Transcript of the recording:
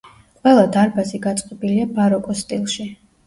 ყველა დარბაზი გაწყობილია ბაროკოს სტილში.